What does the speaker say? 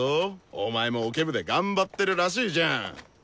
お前もオケ部で頑張ってるらしいじゃん。